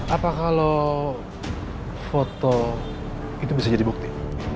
apa kalau foto itu bisa jadi bukti